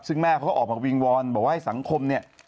ซึ่งแม่เขาก็ออกมาวิงวอนบอกว่าให้สังคมเนี่ย